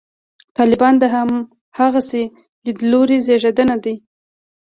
طالبان د همدغسې لیدلوري زېږنده دي.